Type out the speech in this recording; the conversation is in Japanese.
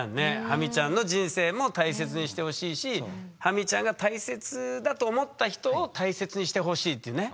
ハミちゃんの人生も大切にしてほしいしハミちゃんが大切だと思った人を大切にしてほしいってね。